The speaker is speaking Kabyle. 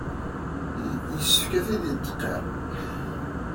Yessefk ad t-id-tqirr.